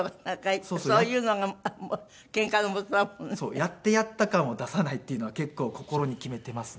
やってやった感を出さないっていうのは結構心に決めていますね。